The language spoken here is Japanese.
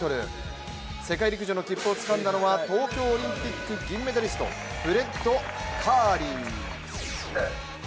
世界陸上の切符をつかんだのは東京オリンピック銀メダリストフレッド・カーリー。